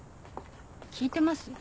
聞いてます？